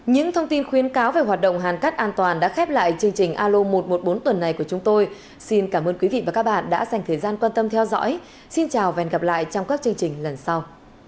những thông tin khuyến cáo về hoạt động hàn cắt an toàn đã khép lại chương trình alo một trăm một mươi bốn tuần này của chúng tôi xin cảm ơn quý vị và các bạn đã dành thời gian quan tâm theo dõi xin chào và hẹn gặp lại trong các chương trình lần sau